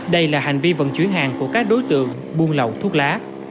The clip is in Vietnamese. đây là hành vi vận chuyển hàng của các đối tượng buôn lậu thuốc lá